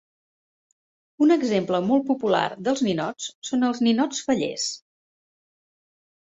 Un exemple molt popular dels ninots són els ninots fallers.